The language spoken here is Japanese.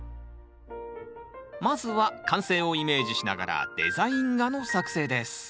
まずは完成をイメージしながらデザイン画の作成です